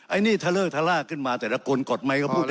ไอ้นี่ทะเลิกทะลากขึ้นมาแต่ละกลกดไมค์ก็พูดได้เลย